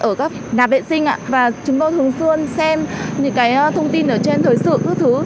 ở các nạp vệ sinh chúng tôi thường xuyên xem những cái thông tin ở trên thời sự thứ thứ